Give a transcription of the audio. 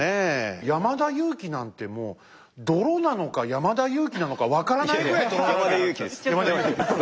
山田裕貴なんてもう泥なのか山田裕貴なのか分からないぐらい泥だらけだった。